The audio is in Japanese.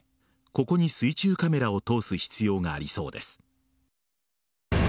ここに水中カメラを通す必要がありそうです。